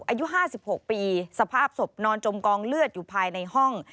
อายุ๕๖ปีสภาพศพนอนจมกองเลือดอยู่ภายในห้อง